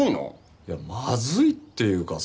いやまずいっていうかさ。